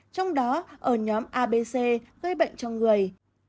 trong đó ở nhóm a b c gây bệnh trong người